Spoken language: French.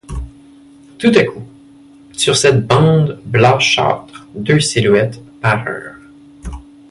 Tout à coup, sur cette bande blanchâtre deux silhouettes parurent.